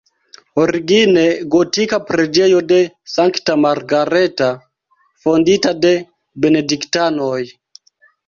Origine gotika preĝejo de Sankta Margareta, fondita de benediktanoj.